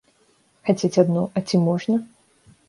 Хацець адно, а ці можна?